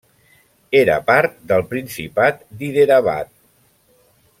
Era part del principat d'Hyderabad.